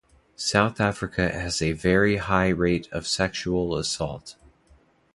South Africa has a very high rate of sexual assault.